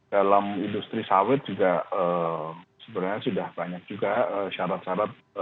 dalam industri sawit juga sebenarnya sudah banyak juga syarat syarat